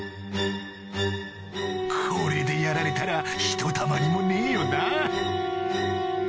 これでやられたらひとたまりもねえよな